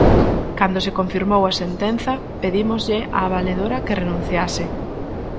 Cando se confirmou a sentenza, pedímoslle á valedora que renunciase.